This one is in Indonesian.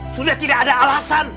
sudah tidak ada alasan